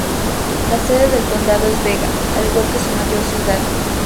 La sede del condado es Vega, al igual que su mayor ciudad.